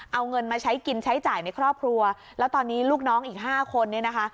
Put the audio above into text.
เอาเงินมาใช้กินใช้จ่ายในครอบครัวแล้วตอนนี้ลูกน้องอีกห้าคนเนี่ยนะคะ